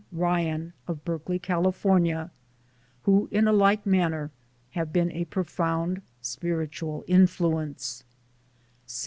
Ryan of Berkeley, California, who in a like man ner have been a profound spiritual influence.